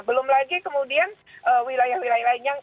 belum lagi kemudian wilayah wilayah lain yang